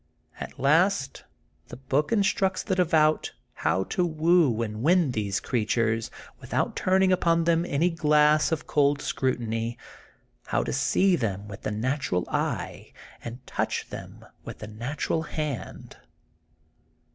At last the book instructs the devout how to woo and win these creatures, without turning upon them any glass of cold scrutiny, how to see them with the natural eye, and touch them with the natural hand.